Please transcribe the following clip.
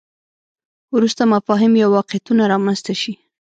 وروسته مفاهیم یا واقعیتونه رامنځته شي.